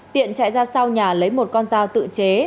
tiện chạy ra sau nhà lấy một con dao tự chế